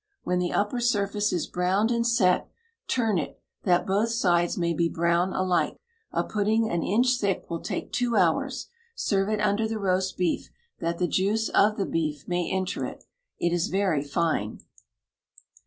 When the upper surface is browned and set, turn it, that both sides may be brown alike. A pudding an inch thick will take two hours. Serve it under the roast beef, that the juice of the beef may enter it. It is very fine.